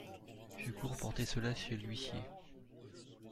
Je cours porter cela chez l’huissier.